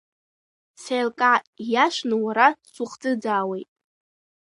Сеилкаа ииашаны, уара сухӡыӡаауеит.